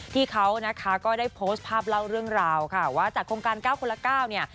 ที่เขานะคะก็ได้โพสต์ภาพเล่าเรื่องราวค่ะว่าจากโครงการ๙คนละ๙เนี่ย